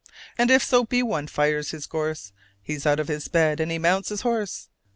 And if so be one fires his gorse, He's out of his bed, and he mounts his horse.